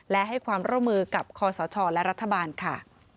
และให้ความร่วมมือกับคอสชและรัฐบาลค่ะ